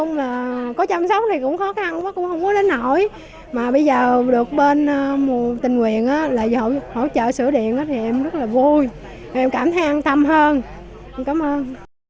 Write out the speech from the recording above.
mà có chăm sóc thì cũng khó khăn quá cũng không có đến nổi mà bây giờ được bên tình nguyện là giúp hỗ trợ sửa điện thì em rất là vui em cảm thấy an tâm hơn em cảm ơn